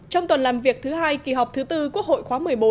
trong tuần làm việc thứ hai kỳ họp thứ tư quốc hội khóa một mươi bốn